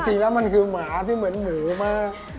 จริงแล้วมันคือหมาที่เหมือนหมูมาก